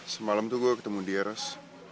semalam tuh gue ketemu dia ros